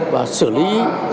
và xử lý